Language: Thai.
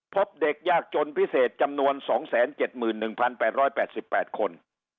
พบเด็กยากจนพิเศษจำนวน๒๗๑๘๘คน